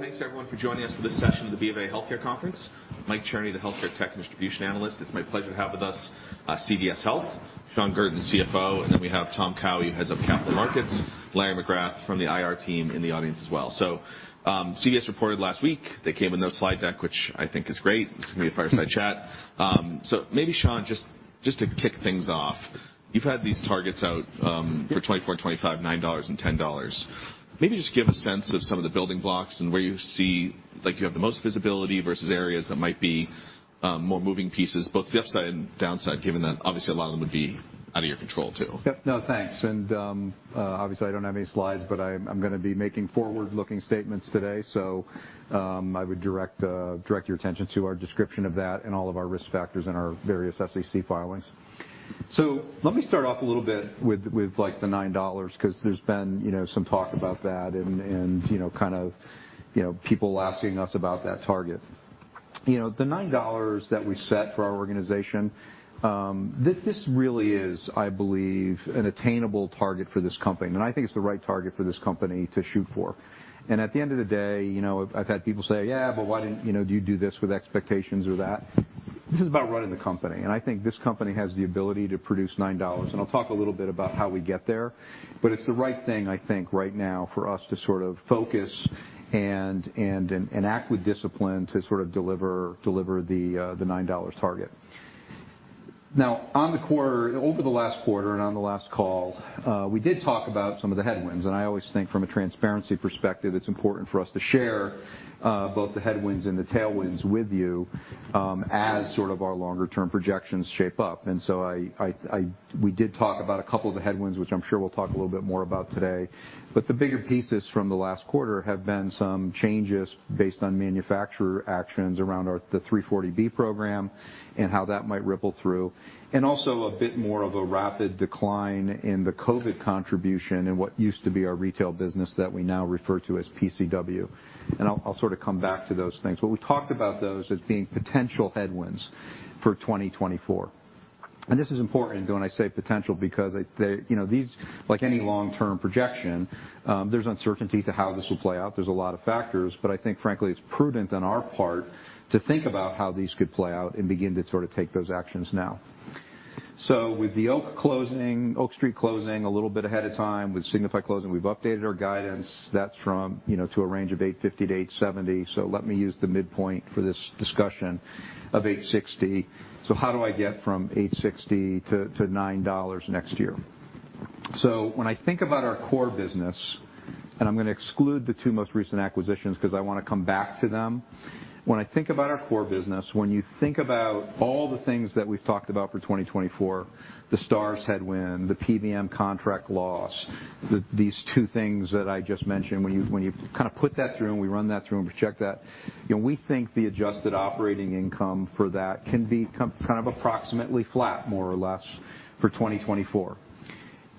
Thanks everyone for joining us for this session of the BofA Healthcare Conference. Mike Cherny, the Healthcare Technology & Distribution Analyst. It's my pleasure to have with us, CVS Health, Shawn Guertin, CFO, and then we have Tom Cowhey, who heads up Capital Markets, Larry McGrath from the IR team in the audience as well. CVS reported last week. They came with no slide deck, which I think is great. This is gonna be a fireside chat. Maybe Shawn, just to kick things off, you've had these targets out for 2024, 2025, $9 and $10. Maybe just give a sense of some of the building blocks and where you see like you have the most visibility versus areas that might be more moving pieces, both the upside and downside, given that obviously a lot of them would be out of your control too. Yep. No, thanks. Obviously, I don't have any slides, but I'm gonna be making forward-looking statements today. I would direct your attention to our description of that and all of our risk factors in our various SEC filings. Let me start off a little bit with like the $9, because there's been, you know, some talk about that and, you know, kind of, you know, people asking us about that target. You know, the $9 that we set for our organization, this really is, I believe, an attainable target for this company, and I think it's the right target for this company to shoot for. At the end of the day, you know, I've had people say, "Yeah, but why didn't, you know, do you do this with expectations or that?" This is about running the company. I think this company has the ability to produce $9. I'll talk a little bit about how we get there, but it's the right thing, I think, right now for us to sort of focus and act with discipline to sort of deliver the $9 target. Over the last quarter and on the last call, we did talk about some of the headwinds. I always think from a transparency perspective, it's important for us to share both the headwinds and the tailwinds with you as sort of our longer term projections shape up. I did talk about a couple of the headwinds, which I'm sure we'll talk a little bit more about today. The bigger pieces from the last quarter have been some changes based on manufacturer actions around the 340B program and how that might ripple through. Also a bit more of a rapid decline in the COVID contribution in what used to be our retail business that we now refer to as PCW. I'll sort of come back to those things. We talked about those as being potential headwinds for 2024. This is important, though, when I say potential, because I, you know, these, like any long-term projection, there's uncertainty to how this will play out. There's a lot of factors. I think frankly, it's prudent on our part to think about how these could play out and begin to sort of take those actions now. With the Oak closing, Oak Street closing a little bit ahead of time, with Signify closing, we've updated our guidance. That's from, you know, to a range of $8.50-$8.70. Let me use the midpoint for this discussion of $8.60. How do I get from $8.60 to $9 next year? When I think about our core business, and I'm gonna exclude the two most recent acquisitions because I wanna come back to them. When I think about our core business, when you think about all the things that we've talked about for 2024, the Stars headwind, the PBM contract loss, these two things that I just mentioned, when you kind of put that through and we run that through and project that, you know, we think the adjusted operating income for that can be kind of approximately flat, more or less for 2024.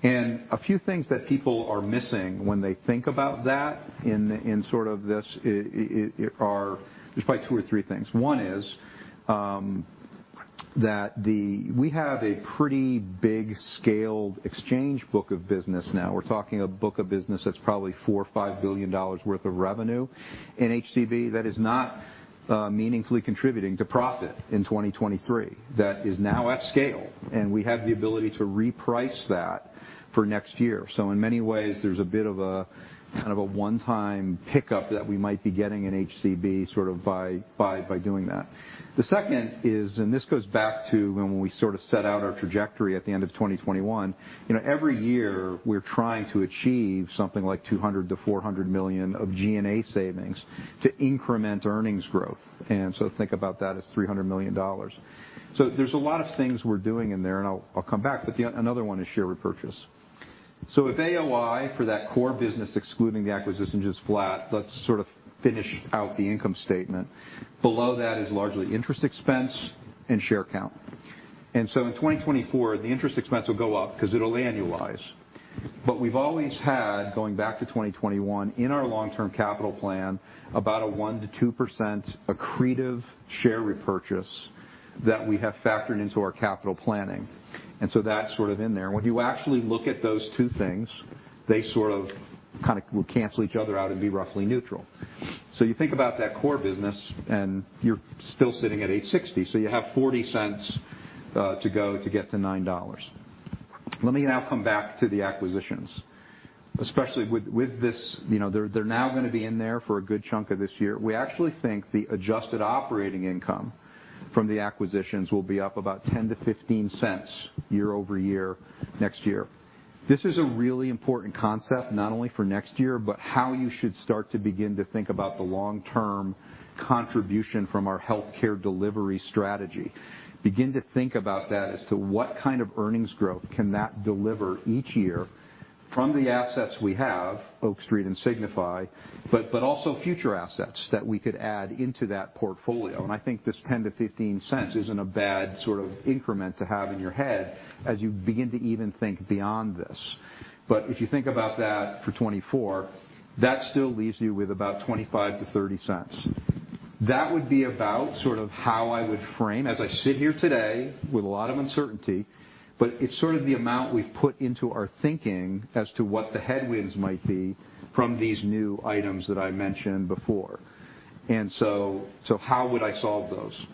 A few things that people are missing when they think about that in sort of this are there's probably two or three things. One is that the we have a pretty big scaled exchange book of business now. We're talking a book of business that's probably $4 billion-$5 billion worth of revenue in HCB that is not meaningfully contributing to profit in 2023, that is now at scale, and we have the ability to reprice that for next year. In many ways, there's a bit of a, kind of a one-time pickup that we might be getting in HCB, sort of by doing that. The second is, and this goes back to when we sort of set out our trajectory at the end of 2021, you know, every year we're trying to achieve something like $200 million-$400 million of G&A savings to increment earnings growth. Think about that as $300 million. There's a lot of things we're doing in there, and I'll come back, but another one is share repurchase. If AOI for that core business, excluding the acquisition, just flat, let's sort of finish out the income statement. Below that is largely interest expense and share count. In 2024, the interest expense will go up because it'll annualize. We've always had, going back to 2021, in our long-term capital plan, about a 1%-2% accretive share repurchase that we have factored into our capital planning. That's sort of in there. When you actually look at those two things, they sort of kinda will cancel each other out and be roughly neutral. You think about that core business, and you're still sitting at $8.60, so you have $0.40 to go to get to $9.00. Let me now come back to the acquisitions, especially with this, you know, they're now gonna be in there for a good chunk of this year. We actually think the adjusted operating income from the acquisitions will be up about $0.10-$0.15 year-over-year next year. This is a really important concept, not only for next year, but how you should start to begin to think about the long-term contribution from our healthcare delivery strategy. Begin to think about that as to what kind of earnings growth can that deliver each year from the assets we have, Oak Street and Signify, but also future assets that we could add into that portfolio. I think this $0.10-$0.15 isn't a bad sort of increment to have in your head as you begin to even think beyond this. If you think about that for 2024, that still leaves you with about $0.25-$0.30. That would be about sort of how I would frame as I sit here today with a lot of uncertainty, but it's sort of the amount we've put into our thinking as to what the headwinds might be from these new items that I mentioned before. How would I solve those?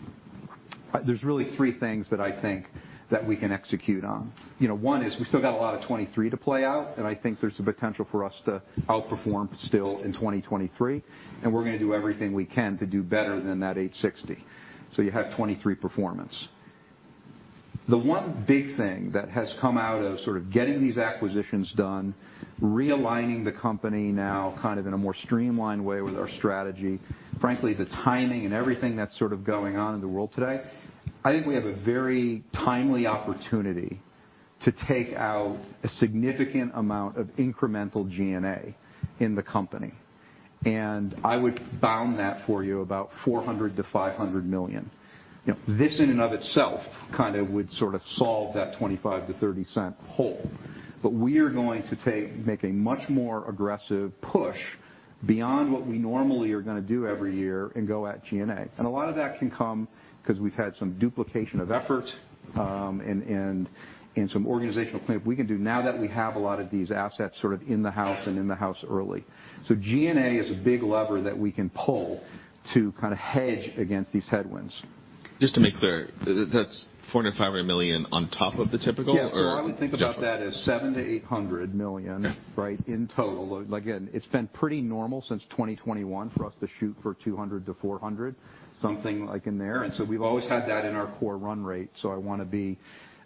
There's really three things that I think that we can execute on. You know, one is we still got a lot of 2023 to play out, and I think there's the potential for us to outperform still in 2023, and we're gonna do everything we can to do better than that $8.60. You have 2023 performance. The one big thing that has come out of sort of getting these acquisitions done, realigning the company now kind of in a more streamlined way with our strategy, frankly, the timing and everything that's sort of going on in the world today, I think we have a very timely opportunity to take out a significant amount of incremental G&A in the company. I would bound that for you about $400 million-$500 million. You know, this in and of itself kind of would sort of solve that $0.25-$0.30 hole. We are going to make a much more aggressive push beyond what we normally are gonna do every year and go at G&A. A lot of that can come 'cause we've had some duplication of effort, and some organizational cleanup we can do now that we have a lot of these assets sort of in the house and in the house early. G&A is a big lever that we can pull to kind of hedge against these headwinds. Just to make clear, that's $400 million, $500 million on top of the typical. Yes. Well, I would think about that as $700 million-$800 million, right, in total. Again, it's been pretty normal since 2021 for us to shoot for $200 million-$400 million, something like in there. We've always had that in our core run rate, so I wanna be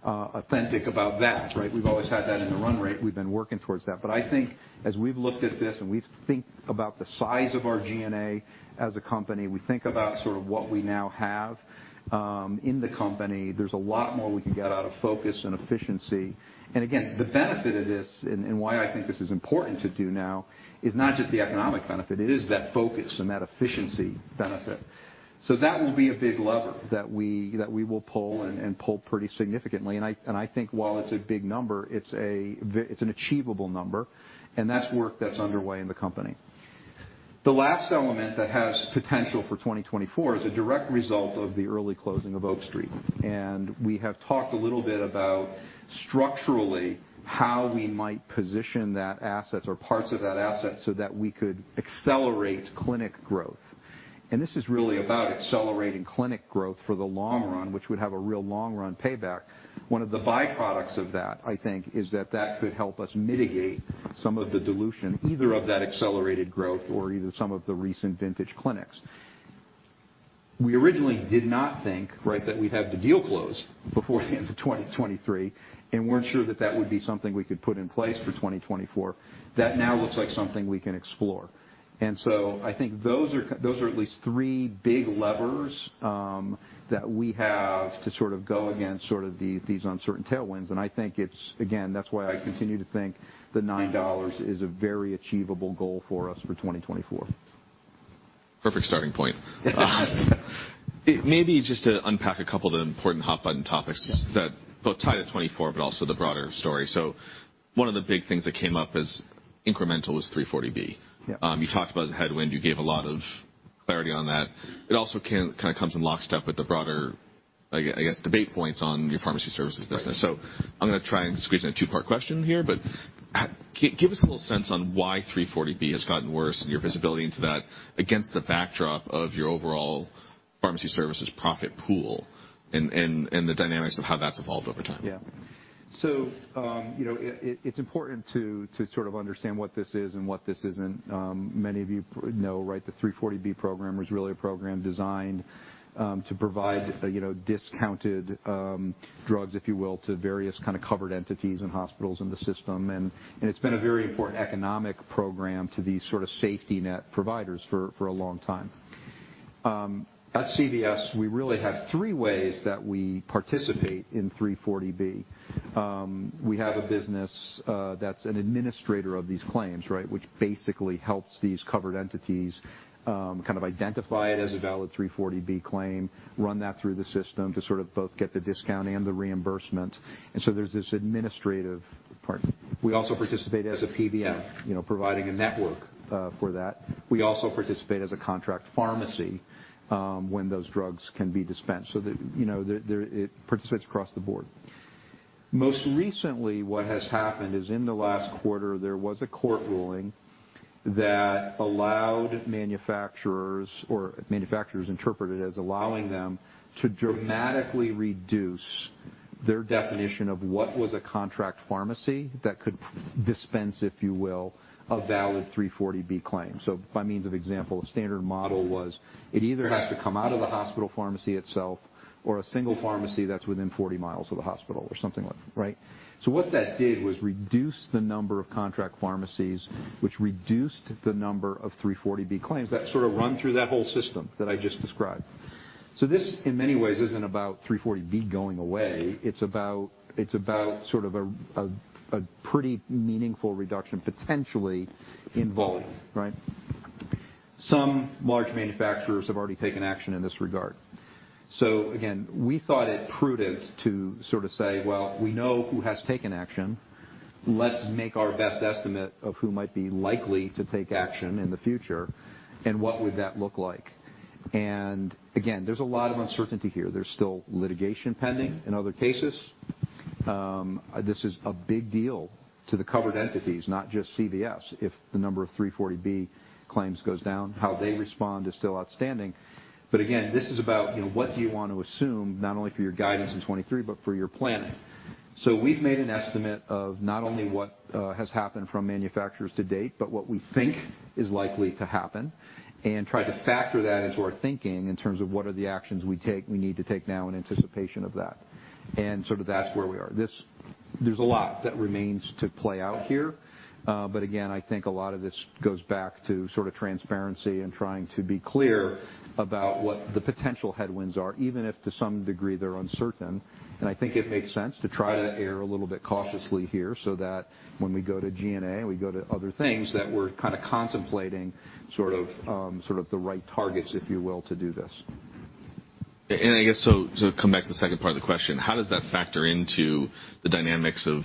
authentic about that, right? We've always had that in the run rate. We've been working towards that. I think as we've looked at this and we think about the size of our G&A as a company, we think about sort of what we now have in the company, there's a lot more we can get out of focus and efficiency. Again, the benefit of this and why I think this is important to do now is not just the economic benefit, it is that focus and that efficiency benefit. That will be a big lever that we will pull and pull pretty significantly. I think while it's a big number, it's an achievable number, and that's work that's underway in the company. The last element that has potential for 2024 is a direct result of the early closing of Oak Street. We have talked a little bit about structurally how we might position that asset or parts of that asset so that we could accelerate clinic growth. This is really about accelerating clinic growth for the long run, which would have a real long run payback. One of the byproducts of that, I think, is that could help us mitigate some of the dilution either of that accelerated growth or some of the recent vintage clinics. We originally did not think, right, that we'd have the deal closed before the end of 2023 and weren't sure that that would be something we could put in place for 2024. That now looks like something we can explore. I think those are those are at least three big levers that we have to sort of go against sort of these uncertain tailwinds. Again, that's why I continue to think the $9 is a very achievable goal for us for 2024. Perfect starting point. maybe just to unpack a couple of the important hot button topics- Yeah. that both tie to 2024, but also the broader story. One of the big things that came up as incremental was 340B. Yeah. You talked about as a headwind. You gave a lot of clarity on that. It also kind of comes in lockstep with the broader, I guess, debate points on your pharmacy services business. Right. I'm gonna try and squeeze in a two-part question here give us a little sense on why 340B has gotten worse and your visibility into that against the backdrop of your overall pharmacy services profit pool and the dynamics of how that's evolved over time. Yeah. you know, it's important to sort of understand what this is and what this isn't. Many of you know, right, the 340B program was really a program designed to provide, you know, discounted drugs, if you will, to various kind of covered entities and hospitals in the system. It's been a very important economic program to these sort of safety net providers for a long time. At CVS, we really have three ways that we participate in 340B. We have a business that's an administrator of these claims, right, which basically helps these covered entities kind of identify it as a valid 340B claim, run that through the system to sort of both get the discount and the reimbursement. There's this administrative part. We also participate as a PBM, you know, providing a network for that. We also participate as a contract pharmacy, when those drugs can be dispensed. The, you know, it participates across the board. Most recently, what has happened is in the last quarter, there was a court ruling that allowed manufacturers or manufacturers interpreted as allowing them to dramatically reduce their definition of what was a contract pharmacy that could dispense, if you will, a valid 340B claim. By means of example, a standard model was it either has to come out of the hospital pharmacy itself or a single pharmacy that's within 40 miles of the hospital or something like, right? What that did was reduce the number of contract pharmacies, which reduced the number of 340B claims that sort of run through that whole system that I just described. This, in many ways, isn't about 340B going away. It's about sort of a pretty meaningful reduction potentially involved, right? Some large manufacturers have already taken action in this regard. Again, we thought it prudent to sort of say, "Well, we know who has taken action. Let's make our best estimate of who might be likely to take action in the future, and what would that look like?" Again, there's a lot of uncertainty here. There's still litigation pending in other cases. This is a big deal to the covered entities, not just CVS. If the number of 340B claims goes down, how they respond is still outstanding. Again, this is about, you know, what do you want to assume not only for your guidance in 23, but for your planning. We've made an estimate of not only what has happened from manufacturers to date, but what we think is likely to happen and try to factor that into our thinking in terms of what are the actions we take, we need to take now in anticipation of that. Sort of that's where we are. There's a lot that remains to play out here. Again, I think a lot of this goes back to sort of transparency and trying to be clear about what the potential headwinds are, even if to some degree they're uncertain. I think it makes sense to try to err a little bit cautiously here so that when we go to G&A, we go to other things that we're kind of contemplating sort of the right targets, if you will, to do this. I guess, so, to come back to the second part of the question, how does that factor into the dynamics of,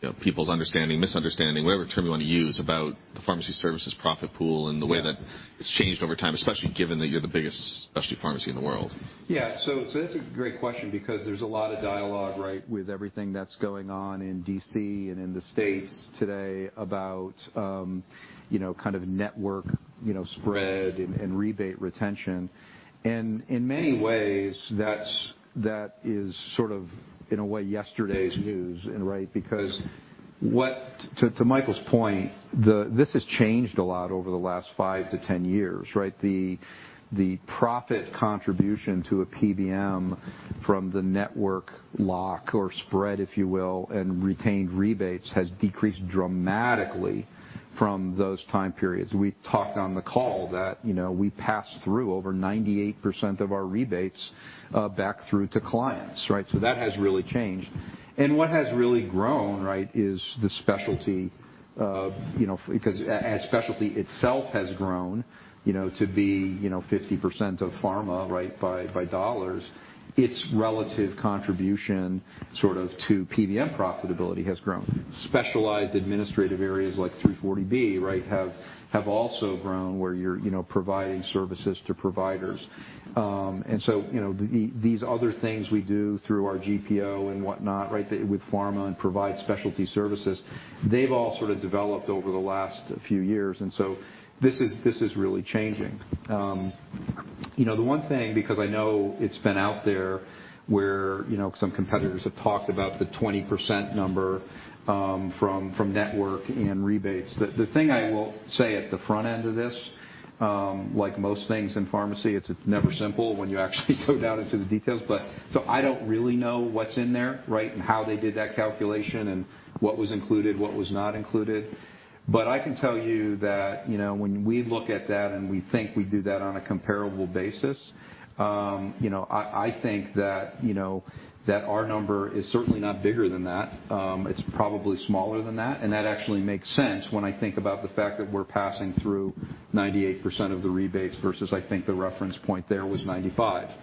you know, people's understanding, misunderstanding, whatever term you wanna use, about the pharmacy services profit pool and the way that it's changed over time, especially given that you're the biggest specialty pharmacy in the world? Yeah. That's a great question because there's a lot of dialogue, right, with everything that's going on in DC and in the States today about, you know, kind of network, you know, spread and rebate retention. In many ways, that's, that is sort of, in a way, yesterday's news, right? Because to Michael's point, this has changed a lot over the last 5 to 10 years, right? The, the profit contribution to a PBM from the network lock or spread, if you will, and retained rebates, has decreased dramatically from those time periods. We talked on the call that, you know, we pass through over 98% of our rebates, back through to clients, right? That has really changed. What has really grown, right, is the specialty, as specialty itself has grown, you know, to be 50% of pharma, right, by dollars, its relative contribution sort of to PBM profitability has grown. Specialized administrative areas like 340B, right, have also grown where you're, you know, providing services to providers. These other things we do through our GPO and whatnot, right, with pharma and provide specialty services, they've all sort of developed over the last few years. This is really changing. You know, the one thing, because I know it's been out there where, you know, some competitors have talked about the 20% number from network and rebates. The thing I will say at the front end of this, like most things in pharmacy, it's never simple when you actually go down into the details. I don't really know what's in there, right, and how they did that calculation and what was included, what was not included. I can tell you that, you know, when we look at that and we think we do that on a comparable basis, you know, I think that, you know, that our number is certainly not bigger than that. It's probably smaller than that, and that actually makes sense when I think about the fact that we're passing through 98% of the rebates versus I think the reference point there was 95%.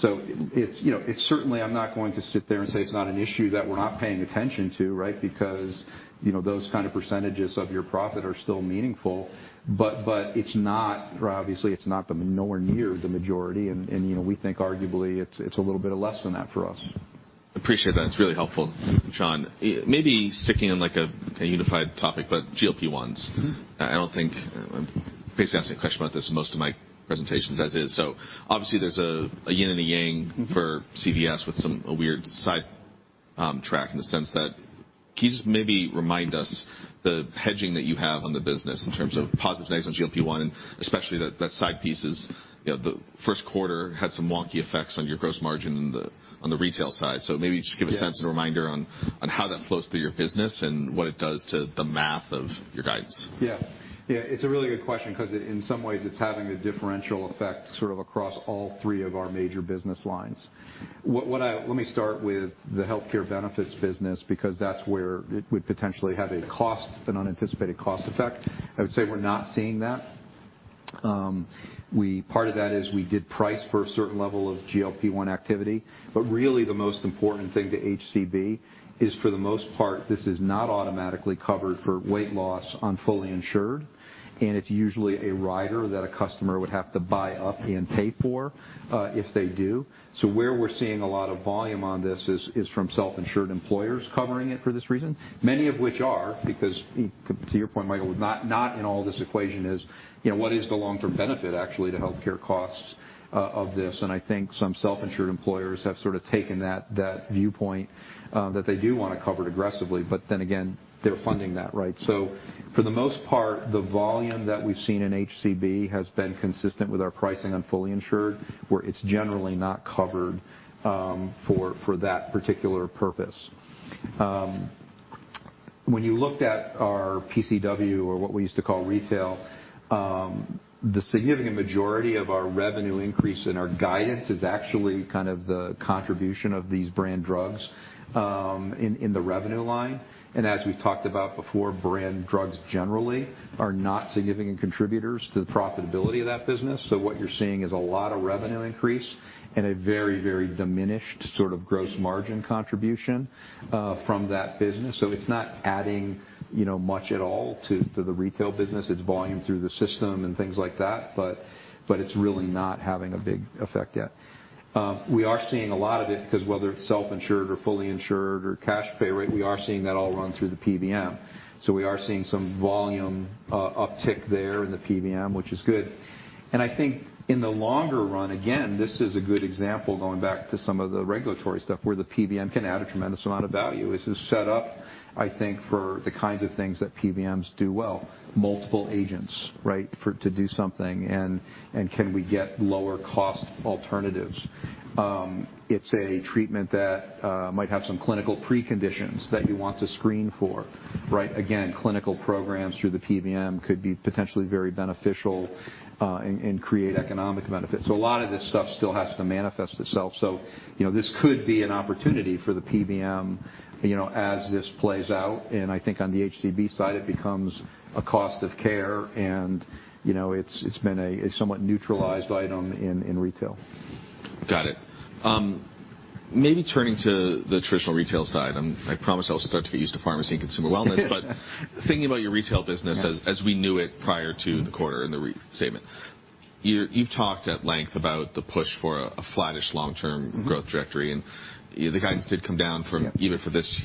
It's, you know, it's certainly I'm not going to sit there and say it's not an issue that we're not paying attention to, right? You know, those kind of percentages of your profit are still meaningful, but it's not, or obviously, it's not nowhere near the majority. You know, we think arguably it's a little bit less than that for us. Appreciate that. It's really helpful, John. Maybe sticking on, like, a unified topic, but GLP-1s. Mm-hmm. I don't think I'm basically asking a question about this in most of my presentations as is. Obviously there's a yin and a yang. Mm-hmm. -for CVS with a weird sidetrack in the sense that can you just maybe remind us the hedging that you have on the business in terms of positives and negatives on GLP-1, and especially that side piece is, you know, the first quarter had some wonky effects on your gross margin on the, on the retail side? Maybe just give a sense and a reminder on how that flows through your business and what it does to the math of your guidance. Yeah. Yeah. It's a really good question 'cause in some ways it's having a differential effect sort of across all three of our major business lines. Let me start with the healthcare benefits business because that's where it would potentially have a cost, an unanticipated cost effect. I would say we're not seeing that. Part of that is we did price for a certain level of GLP-1 activity, but really the most important thing to HCB is, for the most part, this is not automatically covered for weight loss on fully insured, and it's usually a rider that a customer would have to buy up and pay for if they do. Where we're seeing a lot of volume on this is from self-insured employers covering it for this reason, many of which are because, to your point, not in all this equation is, you know, what is the long-term benefit actually to healthcare costs of this? I think some self-insured employers have sort of taken that viewpoint that they do wanna cover it aggressively. They're funding that, right? For the most part, the volume that we've seen in HCB has been consistent with our pricing on fully insured, where it's generally not covered for that particular purpose. When you looked at our PCW or what we used to call retail, the significant majority of our revenue increase in our guidance is actually kind of the contribution of these brand drugs in the revenue line. As we've talked about before, brand drugs generally are not significant contributors to the profitability of that business. What you're seeing is a lot of revenue increase and a very diminished sort of gross margin contribution from that business. It's not adding, you know, much at all to the retail business. It's volume through the system and things like that, but it's really not having a big effect yet. We are seeing a lot of it 'cause whether it's self-insured or fully insured or cash pay, right, we are seeing that all run through the PBM. We are seeing some volume uptick there in the PBM, which is good. I think in the longer run, again, this is a good example going back to some of the regulatory stuff where the PBM can add a tremendous amount of value. This is set up, I think, for the kinds of things that PBMs do well, multiple agents, right? to do something and can we get lower cost alternatives. It's a treatment that might have some clinical preconditions that you want to screen for, right? Again, clinical programs through the PBM could be potentially very beneficial and create economic benefits. A lot of this stuff still has to manifest itself. You know, this could be an opportunity for the PBM, you know, as this plays out, and I think on the HCB side, it becomes a cost of care and, you know, it's been a somewhat neutralized item in retail. Got it. maybe turning to the traditional retail side, I promised I would start to get used to Pharmacy and Consumer Wellness. thinking about your retail business. Yeah. as we knew it prior to the quarter and the re-statement, you've talked at length about the push for a flattish long-term growth trajectory. Mm-hmm. The guidance did come down. Yeah. -even for this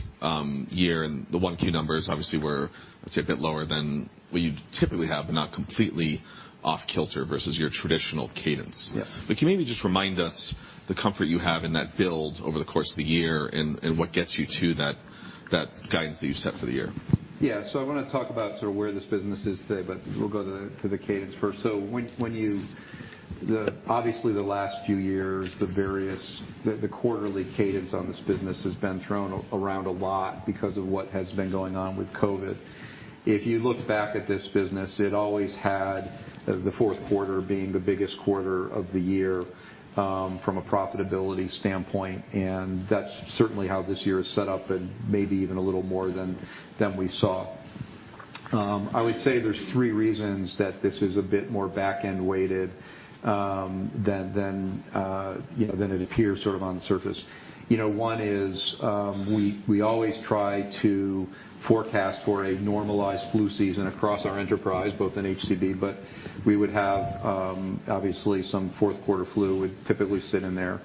year, and the one key numbers obviously were, let's say, a bit lower than what you'd typically have, but not completely off-kilter versus your traditional cadence. Yeah. Can you maybe just remind us the comfort you have in that build over the course of the year and what gets you to that guidance that you've set for the year? I wanna talk about sort of where this business is today, but we'll go to the, to the cadence first. When you the, obviously, the last few years, the various, the quarterly cadence on this business has been thrown around a lot because of what has been going on with COVID. If you look back at this business, it always had the fourth quarter being the biggest quarter of the year, from a profitability standpoint, and that's certainly how this year is set up and maybe even a little more than we saw. I would say there's three reasons that this is a bit more back-end weighted, than, you know, than it appears sort of on the surface. You know, one is, we always try to forecast for a normalized flu season across our enterprise, both in HCB, but we would have, obviously some fourth quarter flu would typically sit in there.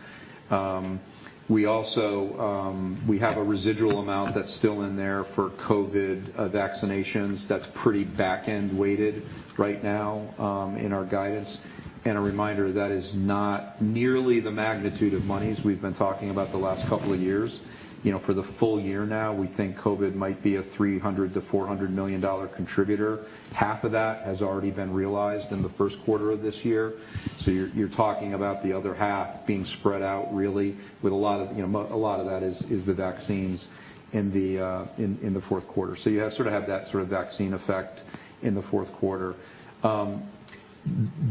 We also, we have a residual amount that's still in there for COVID vaccinations that's pretty back-end weighted right now, in our guidance. A reminder, that is not nearly the magnitude of monies we've been talking about the last couple of years. You know, for the full year now, we think COVID might be a $300 million-$400 million contributor. Half of that has already been realized in the first quarter of this year. You're talking about the other half being spread out really with a lot of, you know, a lot of that is the vaccines in the fourth quarter. You sort of have that sort of vaccine effect in the fourth quarter.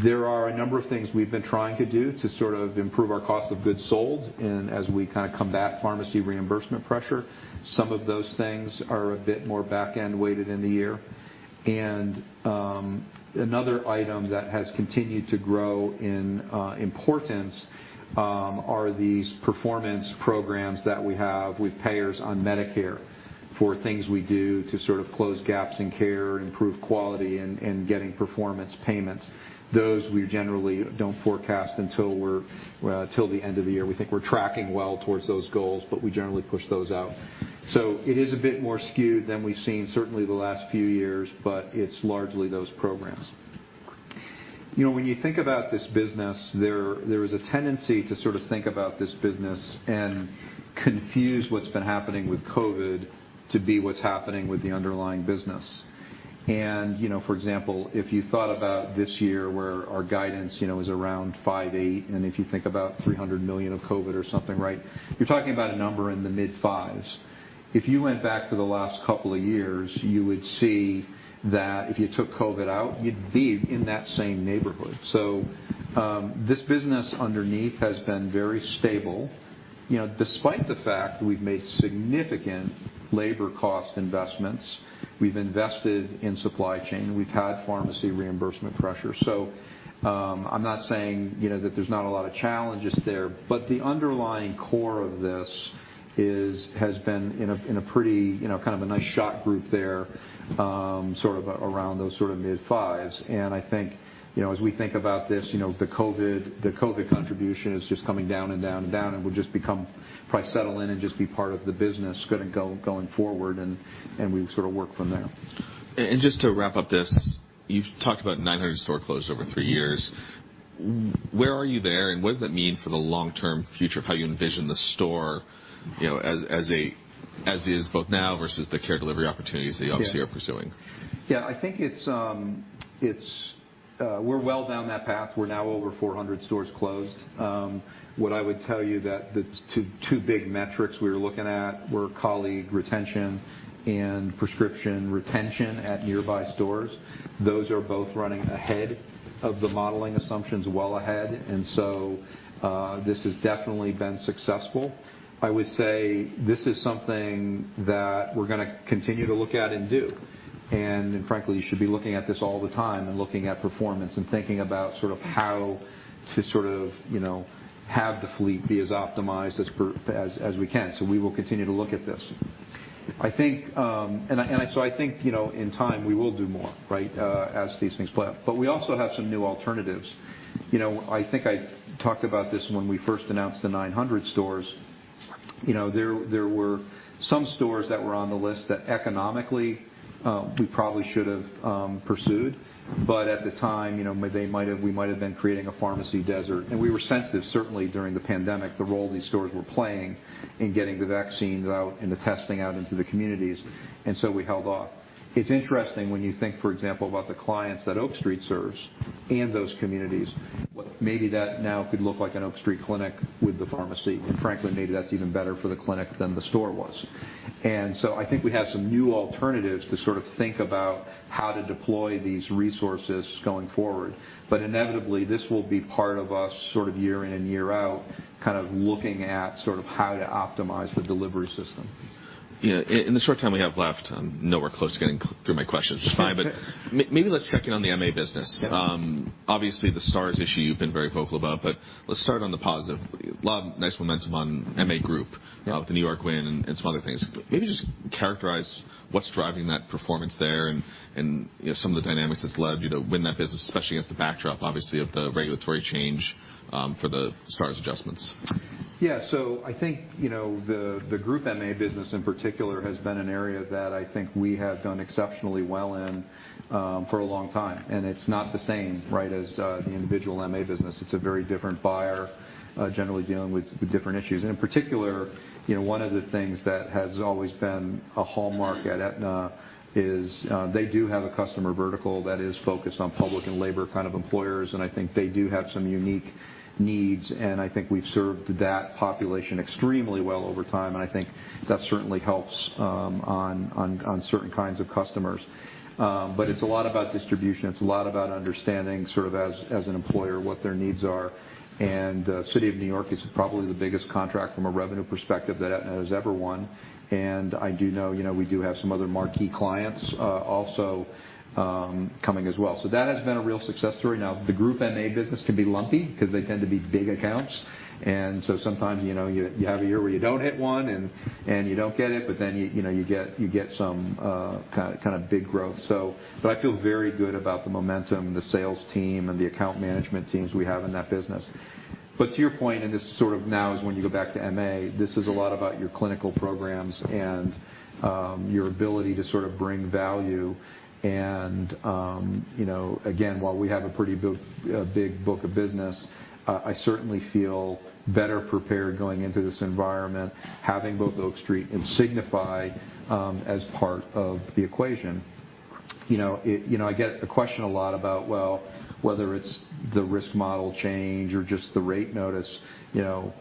There are a number of things we've been trying to do to sort of improve our cost of goods sold and as we kinda combat pharmacy reimbursement pressure. Some of those things are a bit more back-end weighted in the year. Another item that has continued to grow in importance are these performance programs that we have with payers on Medicare for things we do to sort of close gaps in care, improve quality, and getting performance payments. Those we generally don't forecast until we're till the end of the year. We think we're tracking well towards those goals. We generally push those out. It is a bit more skewed than we've seen certainly the last few years, but it's largely those programs. You know, when you think about this business, there is a tendency to sort of think about this business and confuse what's been happening with COVID to be what's happening with the underlying business. You know, for example, if you thought about this year where our guidance, you know, is around $5.8, and if you think about $300 million of COVID or something, right? You're talking about a number in the mid-$5s. If you went back to the last couple of years, you would see that if you took COVID out, you'd be in that same neighborhood. This business underneath has been very stable. You know, despite the fact that we've made significant labor cost investments, we've invested in supply chain, we've had pharmacy reimbursement pressure. I'm not saying, you know, that there's not a lot of challenges there, but the underlying core of this has been in a pretty, you know, kind of a nice shot group there, sort of around those sort of mid 5s. I think, you know, as we think about this, you know, the COVID contribution is just coming down and down and down, and would just become probably settle in and just be part of the business going forward and we sort of work from there. Just to wrap up this, you've talked about 900 store closures over three years. Where are you there, and what does that mean for the long-term future of how you envision the store, you know, as a, as is both now versus the care delivery opportunities that you obviously are pursuing? Yeah. I think it's, we're well down that path. We're now over 400 stores closed. What I would tell you that the two big metrics we were looking at were colleague retention and prescription retention at nearby stores. Those are both running ahead of the modeling assumptions, well ahead. This has definitely been successful. I would say this is something that we're gonna continue to look at and do, and frankly, you should be looking at this all the time and looking at performance and thinking about sort of how to sort of, you know, have the fleet be as optimized as we can. We will continue to look at this. I think. I think, you know, in time we will do more, right? As these things play out. We also have some new alternatives. You know, I think I talked about this when we first announced the 900 stores. You know, there were some stores that were on the list that economically, we probably should have pursued, but at the time, you know, we might have been creating a pharmacy desert. We were sensitive, certainly during the pandemic, the role these stores were playing in getting the vaccines out and the testing out into the communities, we held off. It's interesting when you think, for example, about the clients that Oak Street serves and those communities, maybe that now could look like an Oak Street clinic with the pharmacy. Frankly, maybe that's even better for the clinic than the store was. I think we have some new alternatives to sort of think about how to deploy these resources going forward. Inevitably, this will be part of us sort of year in and year out, kind of looking at sort of how to optimize the delivery system. Yeah. In the short time we have left, I'm nowhere close to getting through my questions. It's fine, but maybe let's check in on the MA business. Yeah. Obviously, the Stars issue you've been very vocal about, but let's start on the positive. Lot of nice momentum on group MA. Yeah. With the New York win and some other things. Maybe just characterize what's driving that performance there and, you know, some of the dynamics that's led you to win that business, especially against the backdrop, obviously, of the regulatory change, for the Stars adjustments. Yeah. I think, you know, the group MA business in particular has been an area that I think we have done exceptionally well in for a long time. It's not the same, right, as the individual MA business. It's a very different buyer, generally dealing with different issues. In particular, you know, one of the things that has always been a hallmark at Aetna is they do have a customer vertical that is focused on public and labor kind of employers, and I think they do have some unique needs, and I think we've served that population extremely well over time. I think that certainly helps on certain kinds of customers. It's a lot about distribution. It's a lot about understanding sort of as an employer, what their needs are. City of New York is probably the biggest contract from a revenue perspective that Aetna has ever won. I do know, you know, we do have some other marquee clients, also, coming as well. That has been a real success story. The group MA business can be lumpy 'cause they tend to be big accounts, sometimes, you know, you have a year where you don't hit one and you don't get it, you know, you get some, kind of big growth. I feel very good about the momentum, the sales team, and the account management teams we have in that business. To your point, this is sort of now is when you go back to MA, this is a lot about your clinical programs and your ability to sort of bring value. You know, again, while we have a pretty big book of business, I certainly feel better prepared going into this environment, having both Oak Street and Signify as part of the equation. You know, I get the question a lot about, well, whether it's the risk model change or just the rate notice, you know,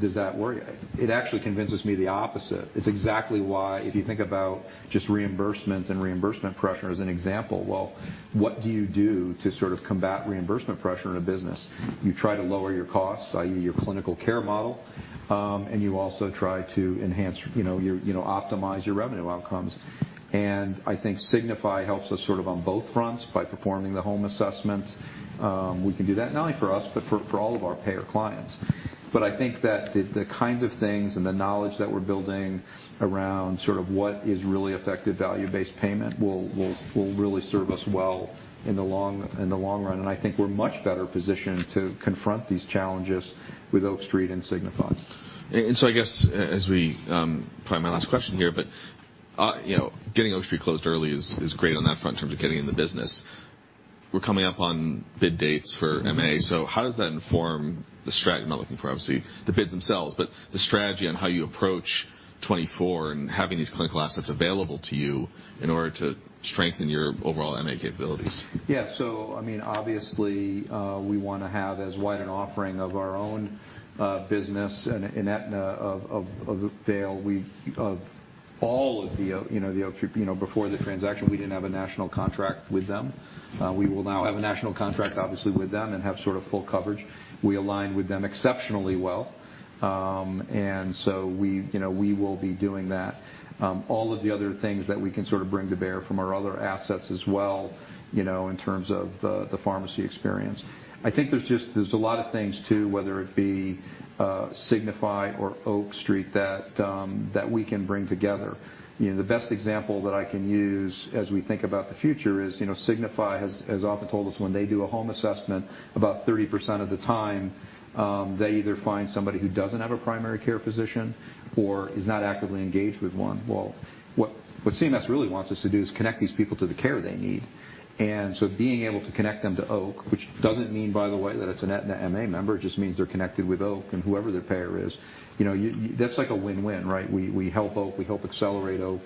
does that worry you? It actually convinces me the opposite. It's exactly why if you think about just reimbursements and reimbursement pressure as an example, well, what do you do to sort of combat reimbursement pressure in a business? You try to lower your costs, i.e., your clinical care model, you also try to enhance, you know, optimize your revenue outcomes. I think Signify helps us sort of on both fronts by performing the home assessments. We can do that not only for us, but for all of our payer clients. I think that the kinds of things and the knowledge that we're building around sort of what is really effective value-based payment will really serve us well in the long run. I think we're much better positioned to confront these challenges with Oak Street and Signify. I guess as we, probably my last question here, but you know, getting Oak Street closed early is great on that front in terms of getting in the business. We're coming up on bid dates for MA, how does that inform the strategy, I'm not looking for, obviously, the bids themselves, but the strategy on how you approach 2024 and having these clinical assets available to you in order to strengthen your overall MA capabilities? I mean, obviously, we wanna have as wide an offering of our own business in Aetna of value. Of all of the, you know, the Oak, you know, before the transaction, we didn't have a national contract with them. We will now have a national contract, obviously, with them and have sort of full coverage. We align with them exceptionally well. And so we, you know, we will be doing that. All of the other things that we can sort of bring to bear from our other assets as well, you know, in terms of the pharmacy experience. I think there's just, there's a lot of things too, whether it be Signify or Oak Street that we can bring together. You know, the best example that I can use as we think about the future is, you know, Signify has often told us when they do a home assessment, about 30% of the time, they either find somebody who doesn't have a primary care physician or is not actively engaged with one. Well, what CMS really wants us to do is connect these people to the care they need. Being able to connect them to Oak, which doesn't mean, by the way, that it's an Aetna MA member, it just means they're connected with Oak and whoever their payer is. You know, that's like a win-win, right? We help Oak, we help accelerate Oak,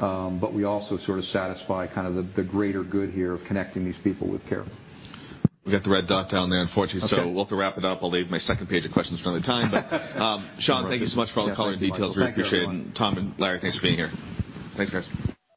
but we also sort of satisfy kind of the greater good here of connecting these people with care. We got the red dot down there, unfortunately. Okay. We'll have to wrap it up. I'll leave my second page of questions for another time. Shawn, thank you so much for all the color and details. Yeah, thank you. We appreciate it. And Tom and Larry, thanks for being here. Thanks, guys.